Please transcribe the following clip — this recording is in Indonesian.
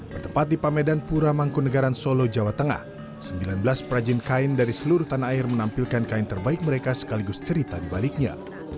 bertempat di pamedan pura mangkunegaran solo jawa tengah sembilan belas perajin kain dari seluruh tanah air menampilkan kain terbaik mereka sekaligus cerita di baliknya